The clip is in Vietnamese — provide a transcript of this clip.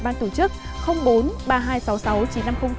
ban tổ chức